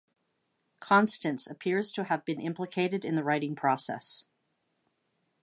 Constance appears to have been implicated in the writing process.